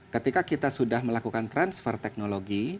ketika kita sudah melakukan transfer teknologi